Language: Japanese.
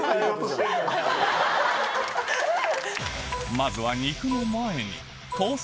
まずは肉の前にコース